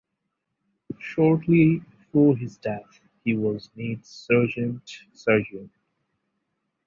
Shortly before his death he was made Serjeant Surgeon.